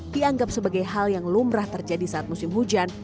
dianggap sebagai hal yang lumrah terjadi saat musim hujan